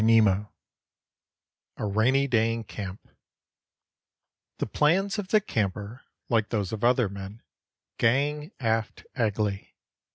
XXIV A RAINY DAY IN CAMP The plans of the camper, like those of other men, "gang aft agley."